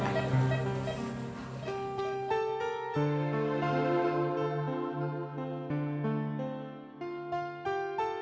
kamu harus menandatangani surat pernyataan